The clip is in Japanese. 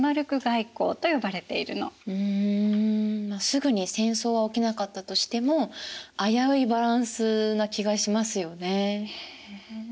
すぐに戦争は起きなかったとしても危ういバランスな気がしますよね。